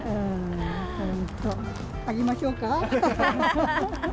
あげましょうか。